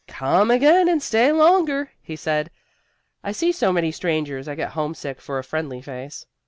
"Come again and stay longer," he said. "I see so many strangers, I get homesick for a friendly face."